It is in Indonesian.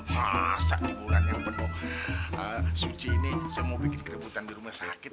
masa di bulan yang penuh suci ini semua bikin kerebutan di rumah sakit